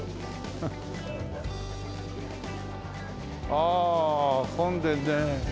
ああ混んでるね。